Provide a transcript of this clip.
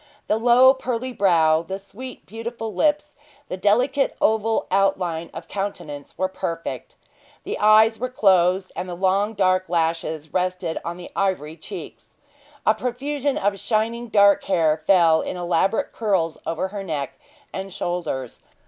The low, pearly brow, the sweet, beautiful lips, the delicate oval outline of countenance, were perfect. The eyes were closed, and the long dark lashes rested on the ivory cheeks. A profusion of shining dark hair fell in elaborate curls over her neck and shoulders.